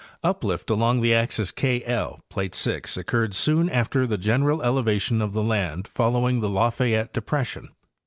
Uplift along the axis K LZ (plate 6) occurred soon after the general elevation of the land following the Lafayette depression.